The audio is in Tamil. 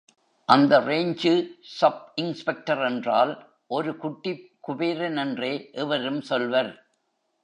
அந்த ரேஞ்சு ஸப் இன்ஸ்பெக்டரென்றால் ஒரு குட்டிக் குபேரனென்றே எவரும் சொல்வர்.